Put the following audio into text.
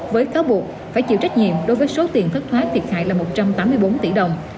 với cáo buộc phải chịu trách nhiệm đối với số tiền thất thoát thiệt hại là một trăm tám mươi bốn tỷ đồng